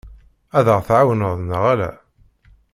Ad aɣ-tɛawneḍ neɣ ala?